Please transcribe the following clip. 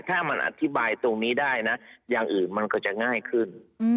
ถ้ามันอธิบายตรงนี้ได้นะอย่างอื่นมันก็จะง่ายขึ้น